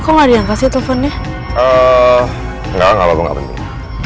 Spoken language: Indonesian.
kok ada yang kasih teleponnya enggak ngapain